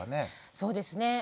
そうですね。